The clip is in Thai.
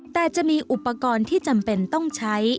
แต่จะมีอุปกรณ์ที่จำเป็นต้องใช้